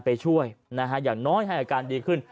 ไปช่วยนะฮะอย่างน้อยให้อาการดีขึ้น